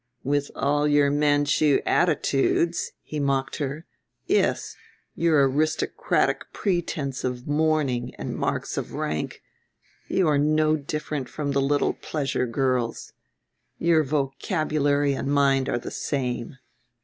"With all your Manchu attitudes," he mocked her, "yes, your aristocratic pretense of mourning and marks of rank, you are no different from the little pleasure girls. Your vocabulary and mind are the same.